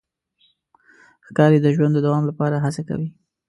ښکاري د ژوند د دوام لپاره هڅه کوي.